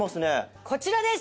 こちらです！